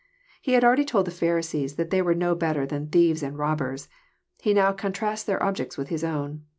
He had already told the Pharisees that they were no better than '' thieves and rob bers." He now contrasts their objects with His own.